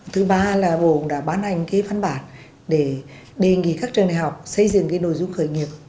thứ ba là bộ đã bán hành cái văn bản để đề nghị các trường đại học xây dựng cái nội dung khởi nghiệp